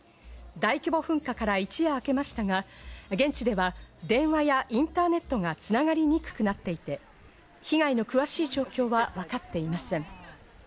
大規模噴火から一夜明けましたが、現地では電話やインターネットが繋がりにくくなっていて、被害の詳しい状況は分かっていません。